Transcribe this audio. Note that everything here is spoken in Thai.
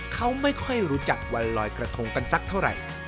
เขาไม่ค่อยรู้จักวันลอยกระทงกันสักเท่าไหร่